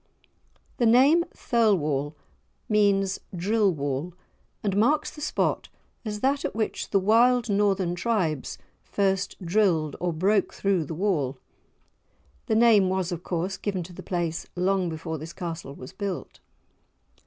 The name "Thirlwall" means "Drill wall," and marks the spot as that at which the wild Northern tribes first "drilled" or broke through the wall. The name was, of course, given to the place long before this castle was built.